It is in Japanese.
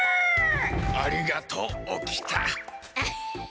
・ありがとう起きた。